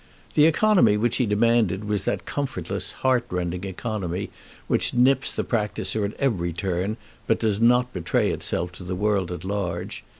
The economy which he demanded was that comfortless heart rending economy which nips the practiser at every turn, but does not betray itself to the world at large.